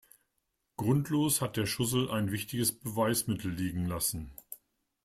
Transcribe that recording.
Grundlos hat der Schussel ein wichtiges Beweismittel liegen lassen.